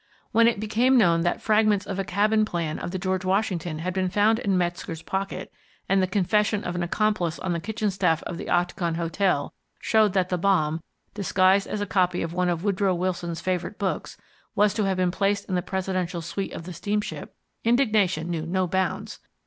When it became known that fragments of a cabin plan of the George Washington had been found in Metzger's pocket, and the confession of an accomplice on the kitchen staff of the Octagon Hotel showed that the bomb, disguised as a copy of one of Woodrow Wilson's favourite books, was to have been placed in the Presidential suite of the steamship, indignation knew no bounds.